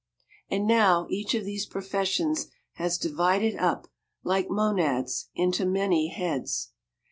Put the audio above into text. And now each of these professions has divided up, like monads, into many heads.